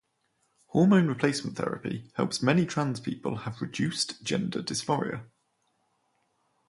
Hormone replacement therapy helps many trans people have reduced gender dysphoria.